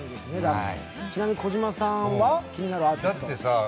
ちなみに児嶋さんは気になるアーティストいます？